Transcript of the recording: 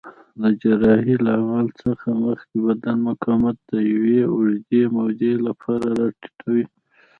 د جراحۍ له عمل څخه مخکې بدن مقاومت د یوې اوږدې مودې لپاره راټیټوي.